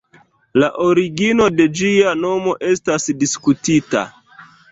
La origino de ĝia nomo estas diskutita.